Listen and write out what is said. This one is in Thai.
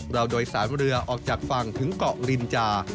โดยสารเรือออกจากฝั่งถึงเกาะรินจา